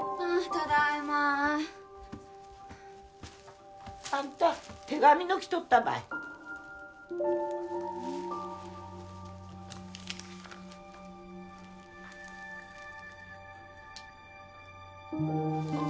ただいまあんた手紙の来とったばいうん？